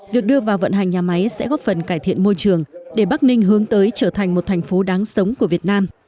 việc đưa vào vận hành nhà máy sẽ góp phần cải thiện môi trường để bắc ninh hướng tới trở thành một thành phố đáng sống của việt nam